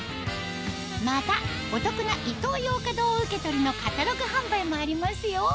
またお得なイトーヨーカドー受け取りのカタログ販売もありますよ